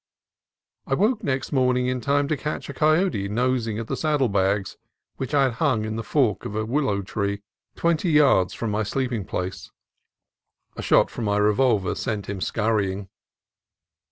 I awoke next morning in time to catch a coyote nosing at the saddle bags, which I had hung in the fork of a willow twenty yards from my sleeping place. A shot from my revolver sent him scurrying.